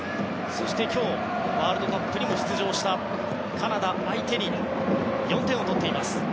そして今日ワールドカップにも出場したカナダ相手に４点を取っています。